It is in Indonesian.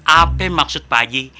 apa maksud pak haji